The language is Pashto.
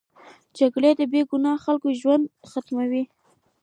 جګړه د بې ګناه خلکو ژوند ختموي